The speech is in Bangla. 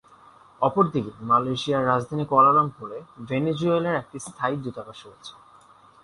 অপরদিকে, মালয়েশিয়ার রাজধানী কুয়ালালামপুরে, ভেনেজুয়েলার একটি স্থায়ী দূতাবাস রয়েছে।